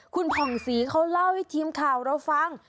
คุณผ่องศรีเขาเล่าให้ทีมข่าวเราฟัง